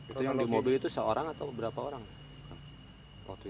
itu yang di mobil itu seorang atau berapa orang